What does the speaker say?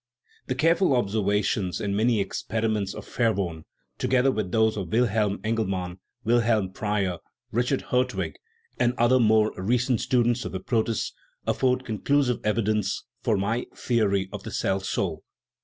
The careful observations and many experiments of Verworn, together with those of Wilhelm Engelmann, Wilhelm Preyer, Richard Hertwig, and other more recent students of the protists, afford conlcusive evi dence for my "theory of the cell soul" (1866).